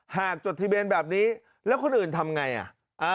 จดทะเบียนแบบนี้แล้วคนอื่นทำไงอ่ะ